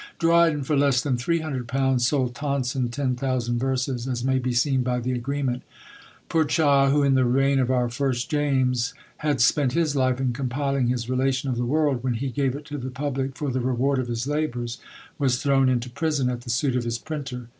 Dryden, for less than three hundred pounds, sold Tonson ten thousand verses, as may be seen by the agreement. Purchas, who in the reign of our first James, had spent his life in compiling his Relation of the World, when he gave it to the public, for the reward of his labours was thrown into prison, at the suit of his printer.